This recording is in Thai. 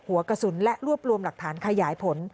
หัวกระสุนและรวบรวมหลักฐานขยายผล